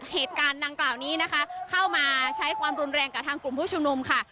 เหตุการณ์ดังกล่าวนี้นะคะเข้ามาใช้ความรุนแรงกับทางกลุ่มผู้ชุมนุมค่ะ